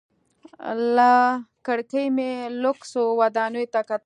له کړکۍ مې لوکسو ودانیو ته کتل.